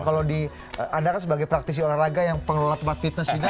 kalau di anda kan sebagai praktisi olahraga yang pengelola tempat fitness ini